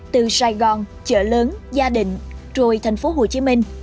từ sài gòn chợ lớn gia đình rồi thành phố hồ chí minh